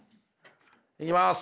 いきます。